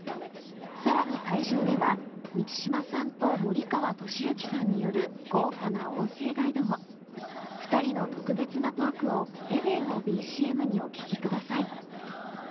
さらに会場では満島さんと森川智之さんによる豪華な音声ガイドも２人の特別なトークを『ｅｄｅｎ』をＢＧＭにお聞きください